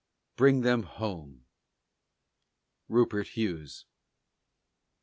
Bring them home! RUPERT HUGHES.